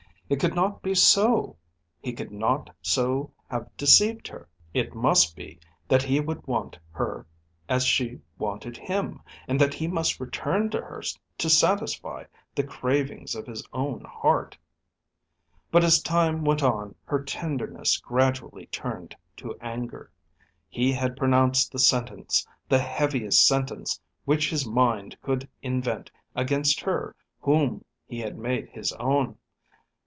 It could not be so. He could not so have deceived her. It must be that he would want her as she wanted him, and that he must return to her to satisfy the cravings of his own heart. But as time went on her tenderness gradually turned to anger. He had pronounced the sentence, the heaviest sentence which his mind could invent against her whom he had made his own.